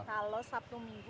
kalau satu minggu